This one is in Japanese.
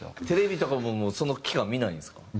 テレビとかももうその期間見ないんですか？